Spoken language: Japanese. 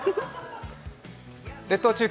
列島中継